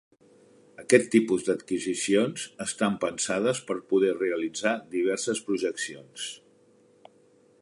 Aquest tipus d'adquisicions estan pensades per poder realitzar diverses projeccions.